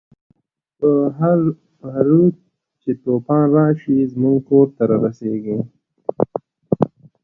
په هر رود چی توفان راشی، زمونږ کور ته راسیخیږی